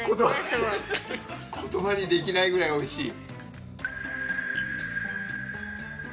言葉にできないぐらいおいしい？